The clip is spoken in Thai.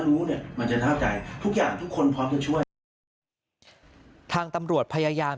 รู้เนี่ยมันจะเท่าใจทุกอย่างทุกคนพร้อมจะช่วยทางตำรวจพยายาม